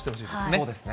そうですね。